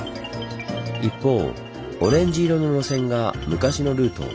一方オレンジ色の路線が昔のルート。